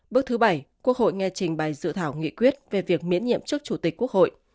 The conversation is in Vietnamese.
bước thứ bảy quốc hội nghe trình bày dự thảo nghị quyết về việc miễn nhiệm chức chủ tịch quốc hội